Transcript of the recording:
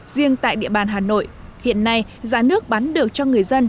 riêng tại địa bàn hà nội hiện nay giá nước bán được cho người dân